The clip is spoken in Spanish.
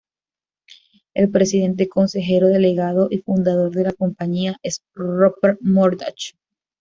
El presidente, consejero delegado y fundador de la compañía es Rupert Murdoch.